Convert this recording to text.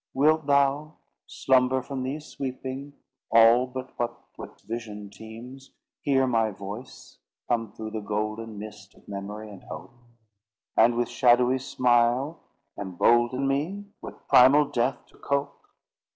Wilt thou—slumber from thee sweeping, All but what with vision teems— Hear my voice come through the golden Mist of memory and hope; And with shadowy smile embolden Me with primal Death to cope?